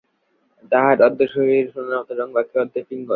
তাহার অর্ধশরীর সোনার মত রঙ, বাকী অর্ধেক পিঙ্গল।